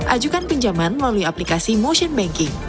ajukan pinjaman melalui aplikasi motion banking